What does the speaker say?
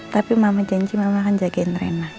tapi mama janji mama akan jagain rena